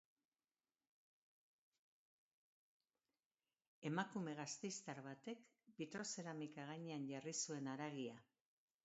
Emakume gasteiztar batek bitrozeramika gainean jarri zuen haragia.